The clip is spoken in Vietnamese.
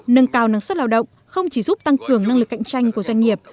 nâng cao năng suất lao động không chỉ giúp tăng cường năng lực cạnh tranh của doanh nghiệp